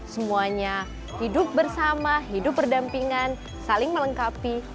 semuanya hidup bersama hidup berdampingan saling melengkapi